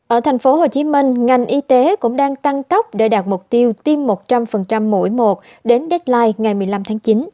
ở thành phố hồ chí minh ngành y tế cũng đang tăng tốc để đạt mục tiêu tiêm một trăm linh mũi một đến deadline ngày một mươi năm tháng chín